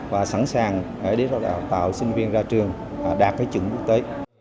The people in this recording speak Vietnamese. và sẵn sàng để đào tạo sinh viên ra trường đạt cái chuẩn quốc tế